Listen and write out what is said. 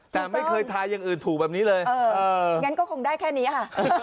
แต่ไม่เคยทาอย่างอื่นถูกแบบนี้เลยงั้นก็คงได้แค่นี้ค่ะ